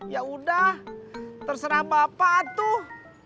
yaudah terserah bapak atuh